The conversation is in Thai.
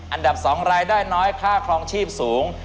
อันดับ๒รายได้น้อยค่าครองชีพสูง